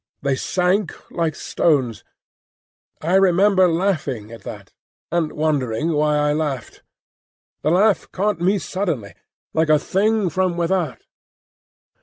They sank like stones. I remember laughing at that, and wondering why I laughed. The laugh caught me suddenly like a thing from without.